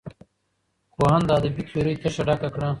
کوهن د ادبي تیورۍ تشه ډکه کړه.